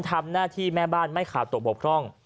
ทำหน้าที่แม่บ้านไม่ขาดตกบกพร่อง